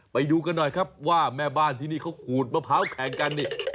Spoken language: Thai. ไปดูกันหน่อยครับว่าแม่บ้านที่นี่เขาขูดมะพร้าวแข่งกันนี่